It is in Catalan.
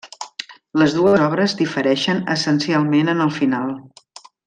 Les dues obres difereixen essencialment en el final.